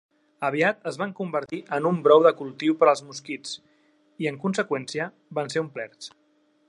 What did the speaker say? Aviat es van convertir en un brou de cultiu per als mosquits i, en conseqüència, van ser omplerts.